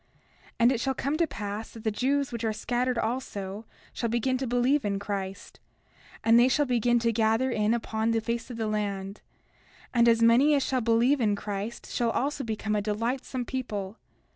30:7 And it shall come to pass that the Jews which are scattered also shall begin to believe in Christ; and they shall begin to gather in upon the face of the land; and as many as shall believe in Christ shall also become a delightsome people.